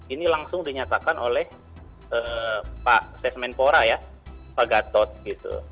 ini langsung dinyatakan oleh pak sesmenpora ya pak gatot gitu